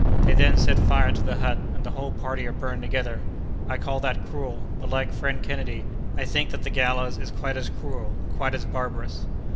They then set fire to the hut, and the whole party are burned together. I call that cruel; but, like friend Kennedy, I think that the gallows is quite as cruel, quite as barbarous."